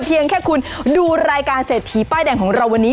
เพียงแค่คุณดูรายการเศรษฐีป้ายแดงของเราวันนี้